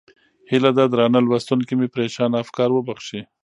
هیله ده درانه لوستونکي مې پرېشانه افکار وبښي.